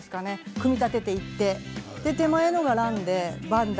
組み立てていって手前のがランです。